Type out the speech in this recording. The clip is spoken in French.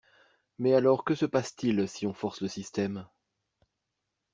Mais alors que se passe-t-il si on force le système?